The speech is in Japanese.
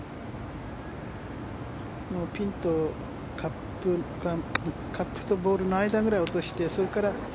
ピンとカップとボールの間ぐらいに落としてそれから。